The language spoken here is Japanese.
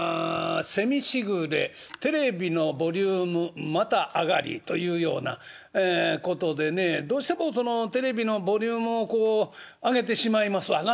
「せみしぐれテレビのボリュームまた上がり」というようなことでねどうしてもそのテレビのボリュームをこう上げてしまいますわな。